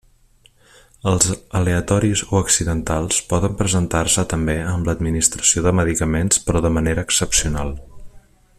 Els aleatoris o accidentals poden presentar-se també amb l'administració de medicaments però de manera excepcional.